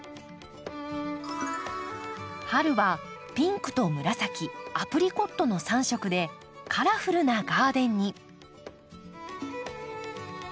春はピンクと紫アプリコットの３色でカラフルなガーデンに。